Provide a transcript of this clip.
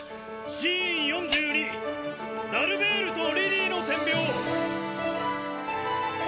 シーン４２ダルベールとリリーの点描。